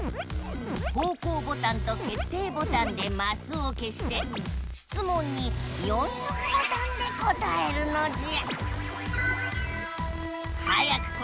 方向ボタンと決定ボタンでマスをけしてしつもんに４色ボタンで答えるのじゃ！